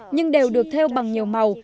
nhưng đều được theo bằng nhiều màu